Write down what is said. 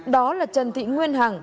đó là trần thị nguyên hằng